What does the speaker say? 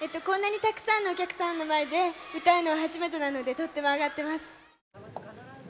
こんなにたくさんのお客さんの前で歌うのは初めてなのでとってもあがってます。